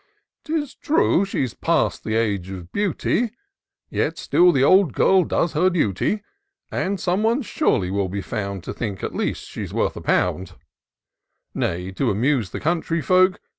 "Ks true, she's past the age of beauty ; Yet still the old girl does her duty ; And some one surely wiU be found To think, at least, she's worth a pound : Nay, to amuse the country folk.